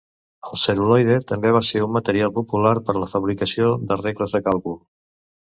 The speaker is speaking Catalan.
El cel·luloide també va ser un material popular per a la fabricació de regles de càlcul.